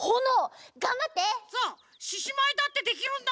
ししまいだってできるんだから。